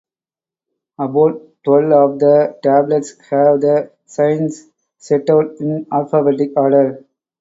About twelve of the tablets have the signs set out in alphabetic order.